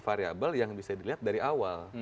variable yang bisa dilihat dari awal